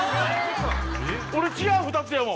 俺違う２つやもん。